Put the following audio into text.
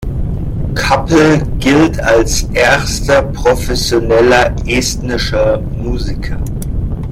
Kappel gilt als erster professioneller estnischer Musiker.